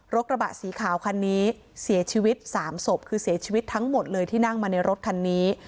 กระบะสีขาวคันนี้เสียชีวิต๓ศพคือเสียชีวิตทั้งหมดเลยที่นั่งมาในรถคันนี้